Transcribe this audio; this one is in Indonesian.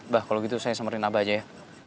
mbah kalau gitu saya samperin abah aja ya